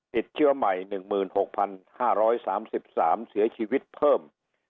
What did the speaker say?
ติดเชื้อใหม่๑๖๕๓๓เสียชีวิตเพิ่ม